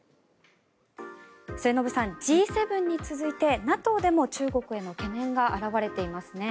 末延さん、Ｇ７に続いてＮＡＴＯでも中国への懸念が表れていますね。